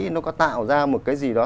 nó có tạo ra một cái gì đó